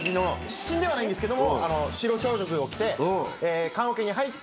死んではないんですけども。